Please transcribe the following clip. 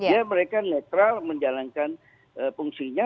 ya mereka netral menjalankan fungsinya